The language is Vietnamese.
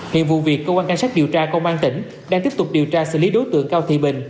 hiện vụ việc cơ quan cảnh sát điều tra công an tỉnh đang tiếp tục điều tra xử lý đối tượng cao thị bình